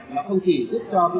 nó không chỉ giúp cho việc